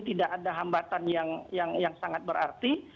tidak ada hambatan yang sangat berarti